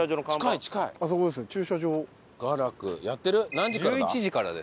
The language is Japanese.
何時からだ？